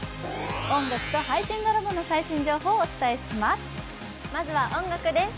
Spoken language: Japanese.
音楽と配信ドラマの最新情報をお伝えします。